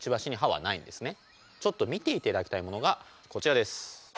ちょっと見ていただきたいものがこちらです。